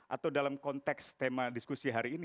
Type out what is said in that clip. atau dalam konteks tema diskusi hari ini